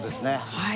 はい。